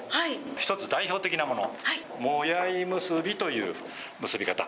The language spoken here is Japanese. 一つ、代表的なもの、もやい結びという結び方。